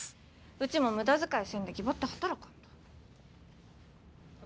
うちも無駄遣いせんでぎばって働かんと！